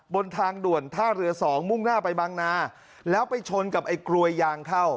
บนทางด่วนท่าเรือสองมุ่งหน้าไปบางนาแล้วไปชนกับไอ้กลวยยางเข้า